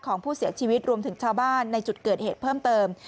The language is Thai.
ของผู้เสียชีวิตรวมถึงชาวบ้านในจุดเกิดเหตุเพิ่มเติม